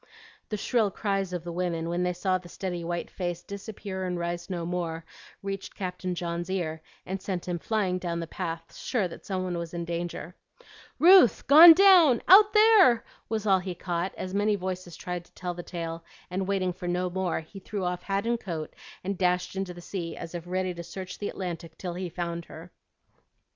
The shrill cries of the women when they saw the steady white face disappear and rise no more, reached Captain John's ear, and sent him flying down the path, sure that some one was in danger. "Ruth gone down out there!" was all he caught, as many voices tried to tell the tale; and waiting for no more, he threw off hat and coat, and dashed into the sea as if ready to search the Atlantic till he found her.